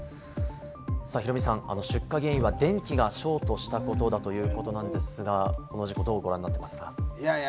ヒロミさん、出火原因は電気がショートしたことだということなんですが、この事故、どうご覧になってますか？